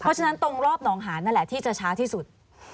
เพราะฉะนั้นตรงรอบหนองหานนั่นแหละที่จะช้าที่สุด